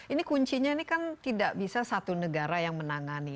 ini kuncinya ini kan tidak bisa satu negara yang menangani